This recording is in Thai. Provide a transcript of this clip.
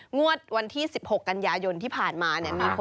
งวดวันที่๑๖กันยายนที่ผ่านมาเนี่ย